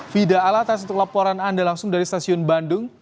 fida alatas untuk laporan anda langsung dari stasiun bandung